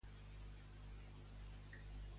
Qui pren rellevància en el venidor JxCat?